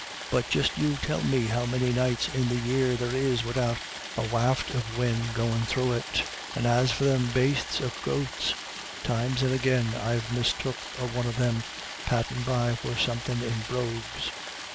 But just you tell me how many nights in the year there is widout a waft of win' goin* thro* it ; and as for them bastes of goats, times and agin I've mis took a one of them pattin' by for somethin' in brogues.